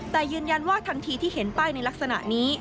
แต่ยืนยันว่าทันทีที่เห็นป้ายในลักษณะนี้